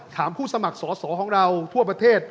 ผู้สมัครสอสอของเราทั่วประเทศ